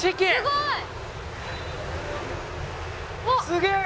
すげえ！